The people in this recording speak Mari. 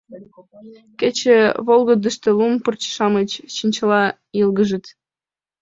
Кече волгыдышто лум пырче-шамыч чинчыла йылгыжыт.